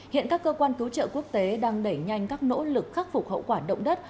hiện các cơ quan cứu trợ quốc tế đang đẩy nhanh các nỗ lực khắc phục hậu quả động đất